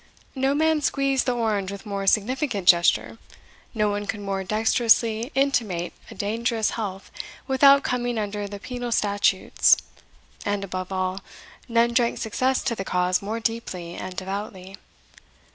No man squeezed the orange with more significant gesture; no one could more dexterously intimate a dangerous health without coming under the penal statutes; and, above all, none drank success to the cause more deeply and devoutly.